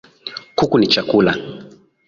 Kuku ni chakula